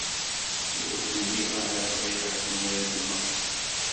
Ur lliɣ ara bɣiɣ ad ken-regmeɣ.